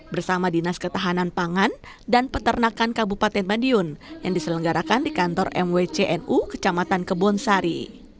bersama dinas ketahanan pangan dan peternakan kabupaten madiun yang diselenggarakan di kantor mwcnu kecamatan kebonsari